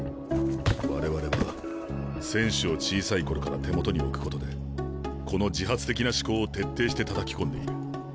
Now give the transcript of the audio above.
我々は選手を小さい頃から手元に置くことでこの自発的な思考を徹底してたたき込んでいる。